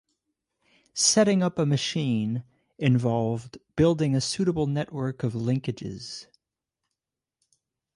Setting up a machine involved building a suitable network of linkages.